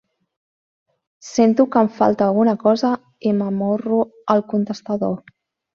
Sento que em falta alguna cosa i m'amorro al contestador.